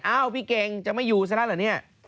พี่เก่งจะไม่อยู่ซะแล้วเหรอเนี่ย